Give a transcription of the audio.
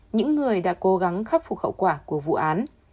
những người đã cố gắng khắc phục hậu quả của vụ án